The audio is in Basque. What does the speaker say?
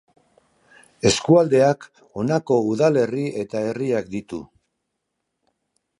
Eskualdeak honako udalerri eta herriak ditu.